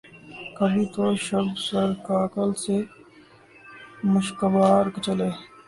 کبھی تو شب سر کاکل سے مشکبار چلے